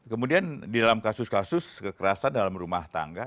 kemudian di dalam kasus kasus kekerasan dalam rumah tangga